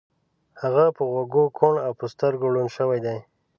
هغه په غوږو کوڼ او په سترګو ړوند شوی دی